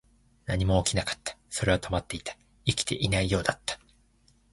何も起きなかった。それは止まっていた。生きていないようだった。